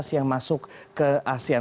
yang masuk ke asean